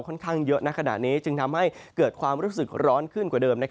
ค่อนข้างเยอะในขณะนี้จึงทำให้เกิดความรู้สึกร้อนขึ้นกว่าเดิม